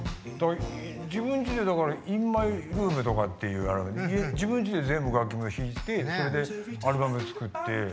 自分んちでだからインマイルームとかっていう自分ちで全部楽器も弾いてそれでアルバム作って。